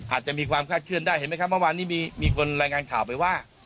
อาจจะมีความคาดเคลื่อนได้เห็นไหมครับเมื่อวานนี้มีคนรายงานข่าวไปว่า